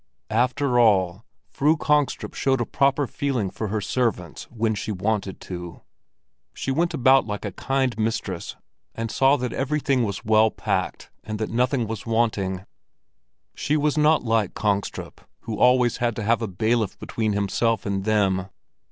After all, Fru Kongstrup showed a proper feeling for her servants when she wanted to. She went about like a kind mistress and saw that everything was well packed and that nothing was wanting. She was not like Kongstrup, who always had to have a bailiff between himself and them.